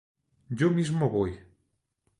Yo mismo voy.